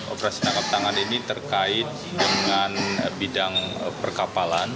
operasi tangkap tangan ini terkait dengan bidang perkapalan